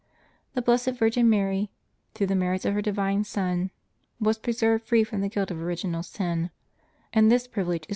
The Blessed Virgin Mary, through the merits of her Divine Son, was preserved free from the guilt of original sin, and this privilege is called her Immaculate Conception.